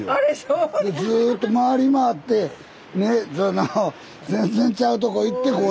ずっと回り回ってね全然ちゃうとこ行ってここへ来た。